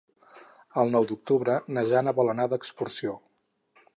El nou d'octubre na Jana vol anar d'excursió.